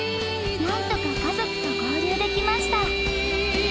なんとか家族と合流できました